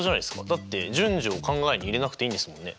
だって順序を考えに入れなくていいんですもんね。